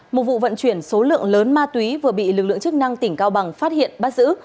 một vụ vận chuyển số lượng lớn ma túy vừa bị lực lượng chức năng tỉnh cao bằng phát hiện bắt giữ